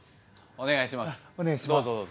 お願いします。